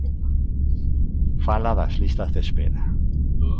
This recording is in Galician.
Fala das listas de espera.